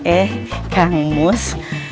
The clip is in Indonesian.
eh kang mus